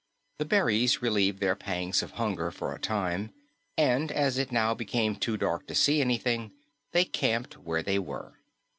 The berries relieved their pangs of hunger for a time, and as it now became too dark to see anything, they camped where they were.